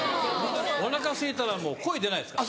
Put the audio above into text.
おなかすいたらもう声出ないですから。